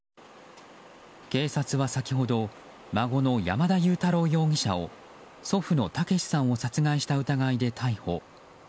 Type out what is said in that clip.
警察は、先ほど孫の山田悠太郎容疑者を祖父の毅さんを殺害した疑いで逮捕。